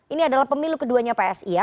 ini adalah pemilu keduanya psi ya